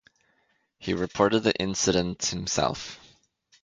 He reported the incident himself.